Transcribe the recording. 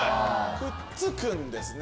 くっつくんですね。